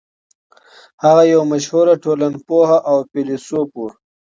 هغه يو مشهور ټولنپوه او فيلسوف و.